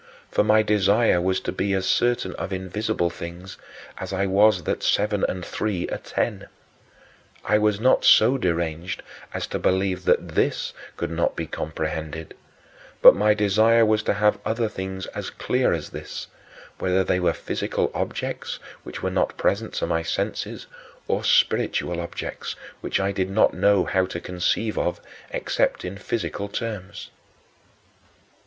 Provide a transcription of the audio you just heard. For my desire was to be as certain of invisible things as I was that seven and three are ten. I was not so deranged as to believe that this could not be comprehended, but my desire was to have other things as clear as this, whether they were physical objects, which were not present to my senses, or spiritual objects, which I did not know how to conceive of except in physical terms.